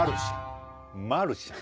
マルシャン。